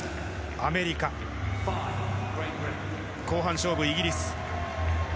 アメリカ、後半勝負イギリス。